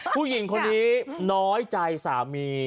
ผู้หญิงคนนี้น้อยใจสามี